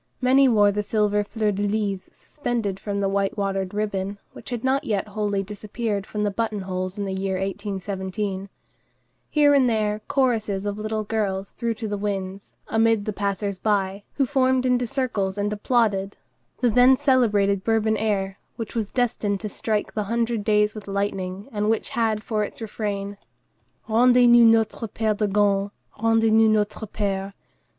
Many wore the silver fleur de lys suspended from the white watered ribbon, which had not yet wholly disappeared from button holes in the year 1817. Here and there choruses of little girls threw to the winds, amid the passers by, who formed into circles and applauded, the then celebrated Bourbon air, which was destined to strike the Hundred Days with lightning, and which had for its refrain:— "Rendez nous notre père de Gand, Rendez nous notre père."